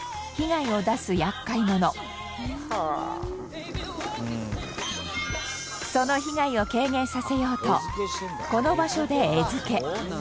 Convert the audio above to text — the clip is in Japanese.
元々その被害を軽減させようとこの場所で餌付け。